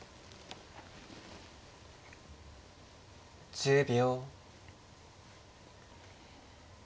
１０秒。